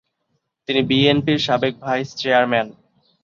তিনি বিএনপির সাবেক ভাইস চেয়ারম্যান।